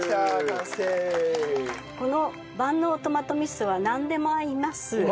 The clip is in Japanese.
この万能トマト味噌はなんでも合います。